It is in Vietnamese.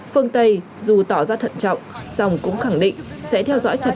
phương tây dù tỏ ra thận trọng song cũng khẳng định